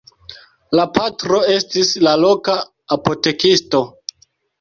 La patro estis la loka apotekisto.